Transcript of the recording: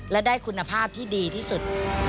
และได้คุณภาพที่ดีที่สุด